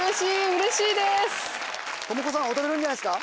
うれしいです！